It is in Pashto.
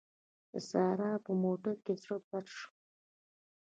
د سارې په موټر کې زړه بد شو.